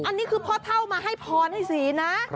อันนี้คือพ่อเท่ามาให้พรให้ศีลนะ